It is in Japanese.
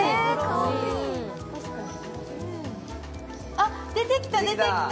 あっ出てきた出てきた！